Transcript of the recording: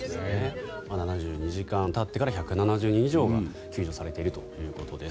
７２時間たってから１７０人以上が救助されているということです。